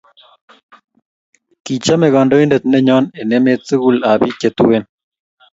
Kichame kandointen neyon en emet tukul ab pik che tuen